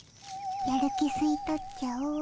やる気すい取っちゃおう。